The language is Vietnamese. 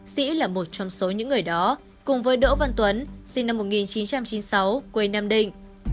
sĩ là một trong số những người đó cùng với đỗ văn tuấn sinh năm một nghìn chín trăm chín mươi sáu quê nam định